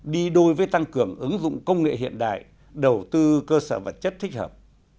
đi đôi với tăng cường ứng dụng công nghệ hiện đại đầu tư cơ sở vật chất thích hợp